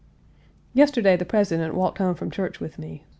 Yesterday the President walked home from church with me.